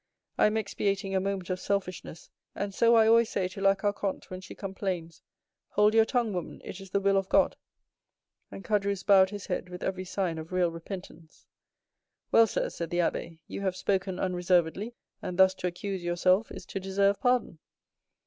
I am expiating a moment of selfishness, and so I always say to La Carconte, when she complains, 'Hold your tongue, woman; it is the will of God.'" And Caderousse bowed his head with every sign of real repentance. "Well, sir," said the abbé, "you have spoken unreservedly; and thus to accuse yourself is to deserve pardon."